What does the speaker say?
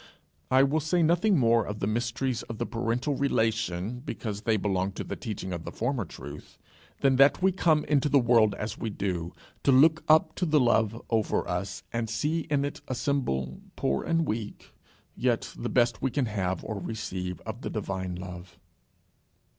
I will say nothing more of the mysteries of the parental relation, because they belong to the teaching of the former truth, than that we come into the world as we do, to look up to the love over us, and see in it a symbol, poor and weak, yet the best we can have or receive of the divine love.